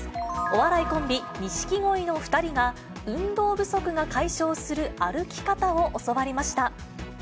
お笑いコンビ、錦鯉の２人が運動不足が解消する歩き方を教わりました。